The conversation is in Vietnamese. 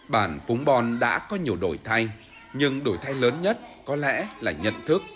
bản phúng bon đã có nhiều đổi thay nhưng đổi thay lớn nhất có lẽ là nhận thức